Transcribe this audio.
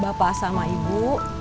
bapak sama ibu